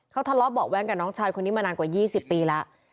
เขาทะเลาะเบาะแว้งกับน้องชายคนนี้มานานกว่า๒๐ปีแล้ว